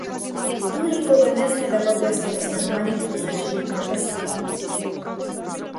Дури и кога не знае да го објасни настанувањето или значењето на песната.